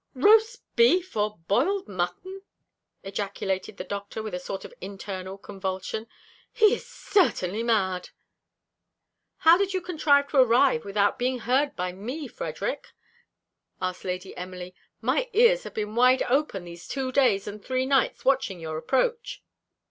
"Roast beef, or boiled mutton!" ejaculated the Doctor, with a sort of internal convulsion; "he is certainly mad." "How did you contrive to arrive without being heard by me, Frederick?" asked Lady Emily; "my ears have been wide open these two days and three nights watching your approach?"